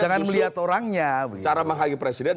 jangan melihat orangnya cara menghargai presiden